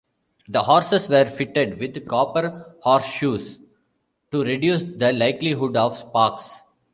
The horses were fitted with copper horseshoes to reduce the likelihood of sparks.